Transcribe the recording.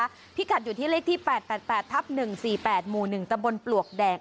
อันที่ขัดอยู่ที่เลขที่๘๘๘๑๔๘หมู๑ตมบลปลวกแดง